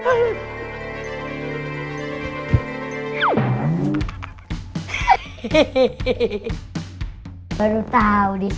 kok gak tau deh